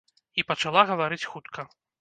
І пачала гаварыць хутка.